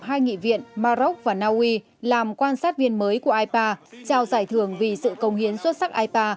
hai nghị viện maroc và naui làm quan sát viên mới của ipa trao giải thưởng vì sự công hiến xuất sắc ipa